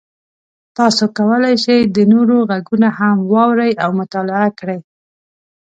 تاسو کولی شئ د نورو غږونه هم واورئ او مطالعه کړئ.